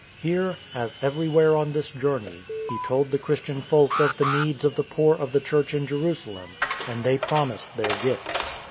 Here — as everywhere on this journey — he told the Christian folk of the needs of the poor of the church in Jerusalem; and they promised their gifts.